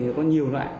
thì có nhiều loại